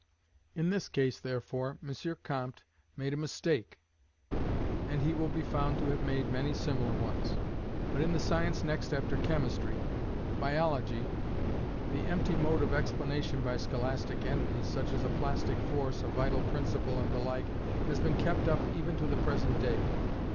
In this case, therefore, M. Comte made a mistake: and he will be found to have made many similar ones. But in the science next after chemistry, biology, the empty mode of explanation by scholastic entities, such as a plastic force, a vital principle, and the like, has been kept up even to the present day.